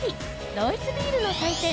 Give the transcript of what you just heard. ドイツビールの祭典